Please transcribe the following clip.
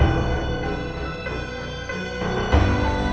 ya kita berhasil